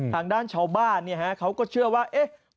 ทางด้านชาวบ้านเขาก็เชื่อว่าเอ๊ะ